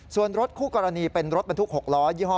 ส่วนรถคู่กรณีเป็นรถบรรทุก๖ล้อยี่ห้อ